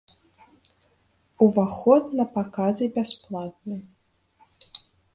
Уваход на паказы бясплатны.